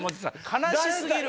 悲しすぎる！